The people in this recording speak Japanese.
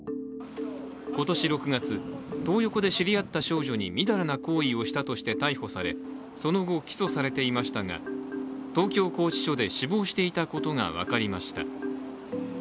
今年６月、トー横で知り合った少女にみだらな行為をしたとして逮捕されその後、起訴されていましたが東京拘置所で死亡していたことが分かりました。